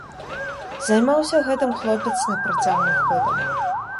Займаўся гэтым хлопец на працягу года.